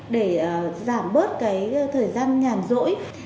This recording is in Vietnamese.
để giảm bớt cái thời gian nhàn rỗi